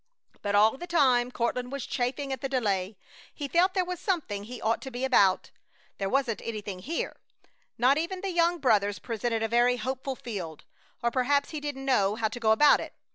But all the time Courtland was chafing at the delay. He felt there was something he ought to be about. There wasn't anything here. Not even the young brothers presented a very hopeful field, or perhaps he didn't know how to go about it.